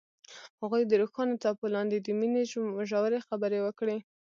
هغوی د روښانه څپو لاندې د مینې ژورې خبرې وکړې.